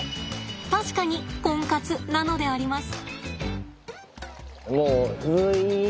確かにコンカツなのであります！